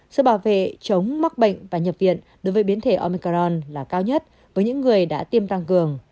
sự bảo vệ chống mắc bệnh và nhập viện đối với biến thể omicron là cao nhất với những người đã tiêm tăng cường